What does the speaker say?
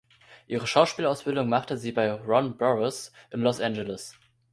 Ihre Schauspielausbildung machte sie bei Ron Burrus in Los Angeles.